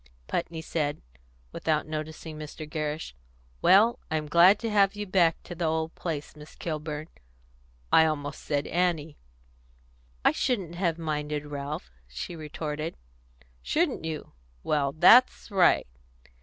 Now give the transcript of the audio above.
Putney said, without noticing Mr. Gerrish, "Well, I'm glad you've come back to the old place, Miss Kilburn I almost said Annie." "I shouldn't have minded, Ralph," she retorted. "Shouldn't you? Well, that's right."